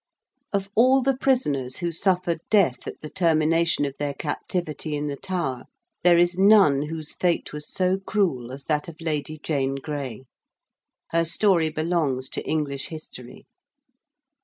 Of all the prisoners who suffered death at the termination of their captivity in the Tower, there is none whose fate was so cruel as that of Lady Jane Grey. Her story belongs to English history.